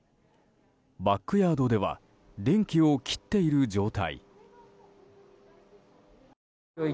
バックヤードでは電気を切っている状態。